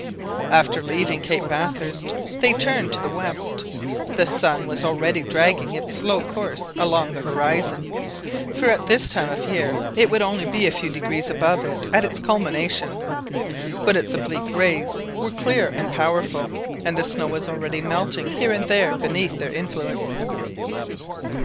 After leaving Cape Bathurst they turned to the west. The sun was already dragging its slow course along the horizon, for at this time of year it would only be a few degrees above it at its culmination. But its oblique rays were clear and powerful, and the snow was already melting here and there beneath their influence.